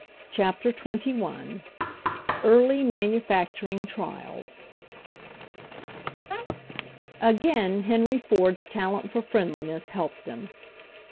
CHAPTER XXI EARLY MANUFACTURING TRIALS Again Henry Ford's talent for friendliness helped him.